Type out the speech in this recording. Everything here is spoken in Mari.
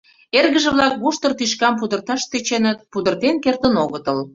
Эргыже-влак воштыр тӱшкам пудырташ тӧченыт, пудыртен кертын огытыл.